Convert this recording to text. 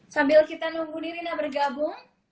sambil kita nunggu dirinya bergabung